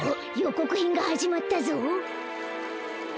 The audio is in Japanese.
こくへんがはじまったぞ！